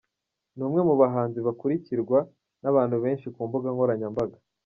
Ni umwe mu bahanzi bakurukirwa n’abantu benshi ku mbuga nkoranyambaga.